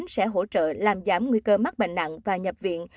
sẽ hỗ trợ làm giảm nguy cơ mắc bệnh nặng và nhập viện